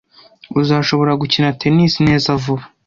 Uzashobora gukina tennis neza vuba